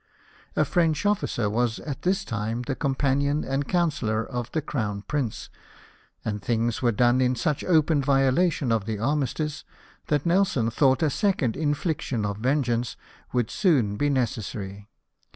A French officer was, at this time, the companion and counsellor of the Crown Prince ; and things were done in such open violation of the armistice, that Nelson thought a second in fliction of vengeance would soon be necessary.